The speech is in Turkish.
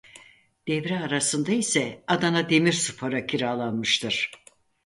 Devre arasında ise Adana Demirspor'a kiralanmıştır.